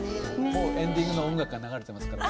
もうエンディングの音楽が流れてますから。